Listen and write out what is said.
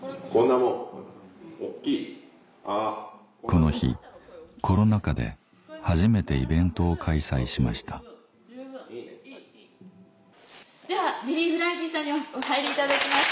この日コロナ禍で初めてイベントを開催しましたではリリー・フランキーさんにお入りいただきます。